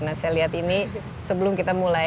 nah saya lihat ini sebelum kita mulai